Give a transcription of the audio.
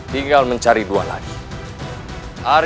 dengan sepuluh pemuda pendekal